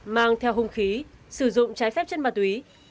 mang theo hung khí sử dụng trái phép chất ma túy